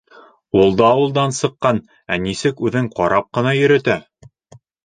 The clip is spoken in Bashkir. Ул да ауылдан сыҡҡан, ә нисек үҙен ҡарап ҡына йөрөтә!